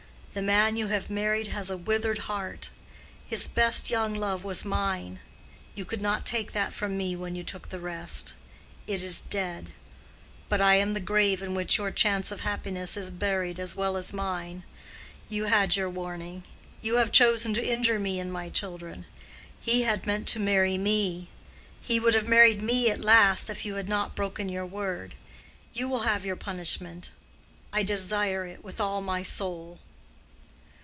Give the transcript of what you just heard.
The man you have married has a withered heart. His best young love was mine: you could not take that from me when you took the rest. It is dead: but I am the grave in which your chance of happiness is buried as well as mine. You had your warning. You have chosen to injure me and my children. He had meant to marry me. He would have married me at last, if you had not broken your word. You will have your punishment. I desire it with all my soul.